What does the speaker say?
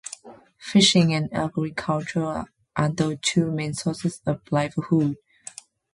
Fishing and agriculture are the two main sources of livelihood.